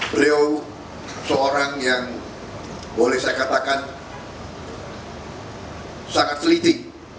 beliau seorang yang boleh saya katakan sangat teliti